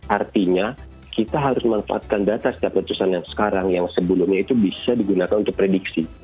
artinya kita harus manfaatkan data setiap letusan yang sekarang yang sebelumnya itu bisa digunakan untuk prediksi